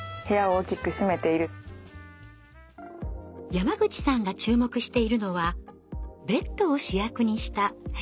山口さんが注目しているのはベッドを主役にした部屋の作り。